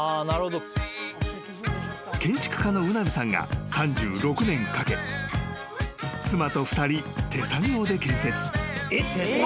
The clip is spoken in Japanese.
［建築家のウナルさんが３６年かけ妻と２人手作業で建設］